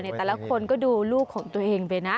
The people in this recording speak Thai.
แต่ละคนก็ดูลูกของตัวเองไปนะ